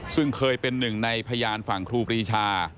ซึ่งเคยเป็นหนึ่งในพยานฝั่งครูปรีชา